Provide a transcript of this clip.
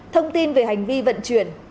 thông tin về hành vi vận chuyển